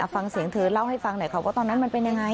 ฟังเสียงเธอเล่าให้ฟังหน่อยค่ะว่าตอนนั้นมันเป็นยังไง